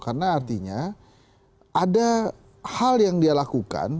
karena artinya ada hal yang dia lakukan